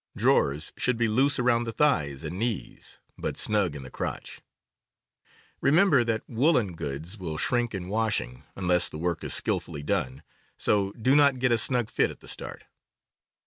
Drawers should be loose around the thighs and knees, but snug in the crotch. Remember that woolen goods will shrink in washing, unless the work is skilfully done; so do not get a snug fit at the start.